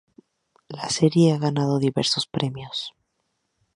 La serie ha ganado diversos premios.